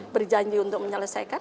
berjanji untuk menyelesaikan